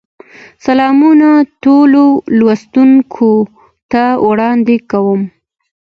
سلامونه ټولو لوستونکو ته وړاندې کوم.